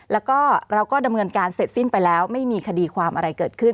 แล้วก็เราก็ดำเนินการเสร็จสิ้นไปแล้วไม่มีคดีความอะไรเกิดขึ้น